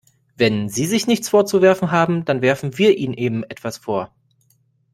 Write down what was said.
Wenn Sie sich nichts vorzuwerfen haben, dann werfen wir Ihnen eben etwas vor.